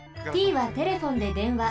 Ｔはテレフォンで電話。